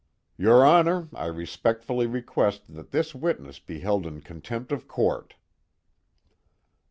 "Your Honor, I respectfully request that this witness be held in contempt of court."